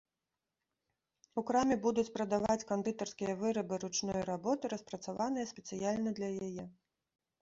У краме будуць прадаваць кандытарскія вырабы ручной работы, распрацаваныя спецыяльна для яе.